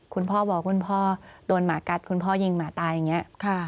คุณพ่อบอกคุณพ่อโดนหมากัดคุณพ่อยิงหมาตายอย่างนี้